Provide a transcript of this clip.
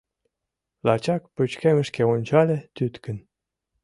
Лачак пычкемышке ончале тӱткын